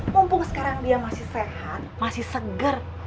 mumpung sekarang dia masih sehat masih segar